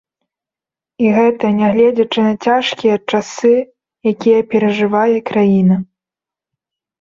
І гэта нягледзячы на цяжкія часы, якія перажывае краіна.